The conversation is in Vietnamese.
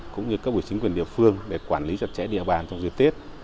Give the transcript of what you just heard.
cũng như các bộ chính quyền địa phương để quản lý chặt chẽ địa bàn trong dịp tiết